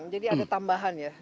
jadi ada tambahan ya